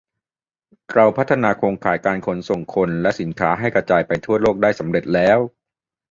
เราพัฒนาโครงข่ายการขนส่งคนและสินค้าให้กระจายไปทั่วโลกได้สำเร็จแล้ว